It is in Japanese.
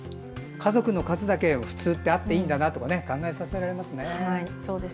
家族の数だけ普通ってあっていいんだなとか考えさせられますね。